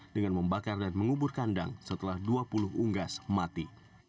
dengan membakar dan mengubur kandang setelah dua puluh unggas mati